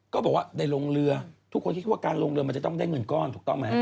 ก็บอกว่าได้ลงเรือทุกคนคิดว่าการลงเรือมันจะต้องได้เงินก้อนถูกต้องไหม